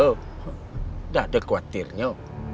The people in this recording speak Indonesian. tidak ada khawatirnya